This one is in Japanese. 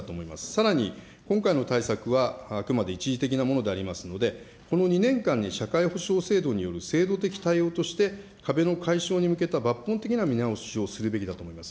さらに、今回の対策は、あくまで一時的なものでありますので、この２年間に社会保障制度による制度的対応として、壁の解消に向けた抜本的な見直しをするべきだと思います。